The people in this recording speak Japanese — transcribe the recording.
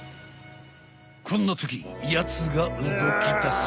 こんなときやつが動きだす。